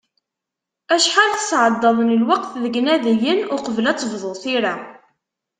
Acḥal tesεeddaḍ n lweqt deg inadiyen uqbel ad tebduḍ tira?